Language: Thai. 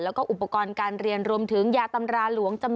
แล้วก็อุปกรณ์การเรียนรวมถึงยาตำราหลวง